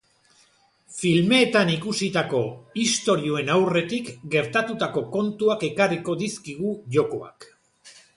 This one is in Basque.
Filmeetan ikusitako istorioen aurretik gertatutako kontuak ekarriko dizkigu jokoak.